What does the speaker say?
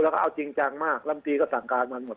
แล้วก็เอาจริงจังมากลำตีก็สั่งการมาหมด